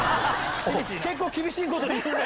結構厳しいこと言うね。